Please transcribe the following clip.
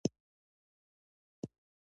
د کاریز پاکول حشر غواړي؟